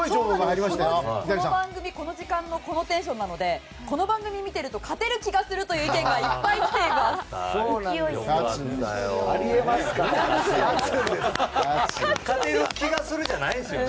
この番組、この時間でこのテンションなのでこの番組を見ていると勝てる気がするという意見が勝つんだよ！